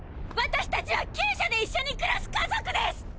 私たちは厩舎で一緒に暮らす家族です！！